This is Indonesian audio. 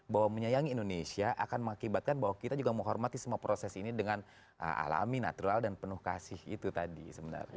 bahwa menyayangi indonesia akan mengakibatkan bahwa kita juga menghormati semua proses ini dengan alami natural dan penuh kasih itu tadi sebenarnya